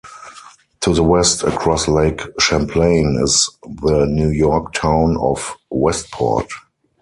To the west, across Lake Champlain, is the New York town of Westport.